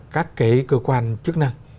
các cái cơ quan chức năng